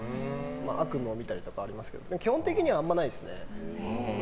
悪夢を見たりとかありますけど基本的にはあんまないですね。